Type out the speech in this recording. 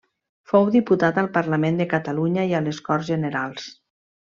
Fou diputat al Parlament de Catalunya i a les Corts Generals.